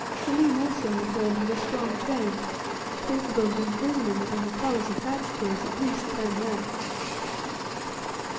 Selim also returned with a strong chain, capable of imprisoning within the collars attached to it at least ten men.